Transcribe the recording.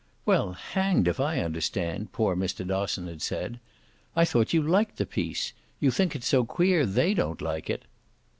"Well, hanged if I understand!" poor Mr. Dosson had said. "I thought you liked the piece you think it's so queer THEY don't like it."